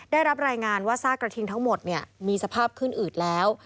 ได้รับรายงานว่าซากกระทิงทั้งหมดมีสภาพขึ้นอืดแล้ว